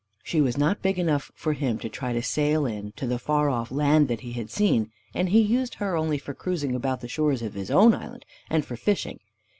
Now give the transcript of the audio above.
She was not big enough for him to try to sail in to the far off land that he had seen, and he used her only for cruising about the shores of his own island, and for fishing.